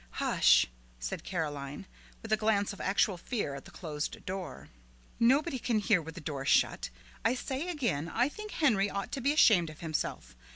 "Hush," said Caroline, with a glance of actual fear at the closed door. "Nobody can hear with the door shut. I say again I think Henry ought to be ashamed of himself.